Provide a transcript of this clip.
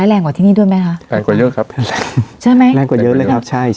แต่อย่างไรก็แล้วแต่มันมีความเสี่ยงอยู่แล้วนะคะ